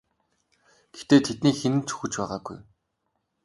Гэхдээ тэдний хэн нь ч үхэж байгаагүй.